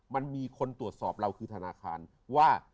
มันมีคนตรวจสอบเราคือธนาคารว่า